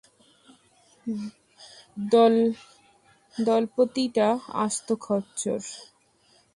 দলপতিটা আস্ত খচ্চর।